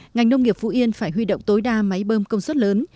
ngành nông nghiệp phú yên phải huy động tối đa máy bơm công suất lớn